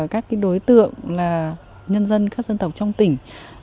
các đối tượng là nhân dân các dân tộc trong tỉnh